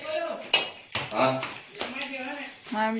ชั้นมาได้